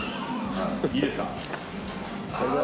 いいですか？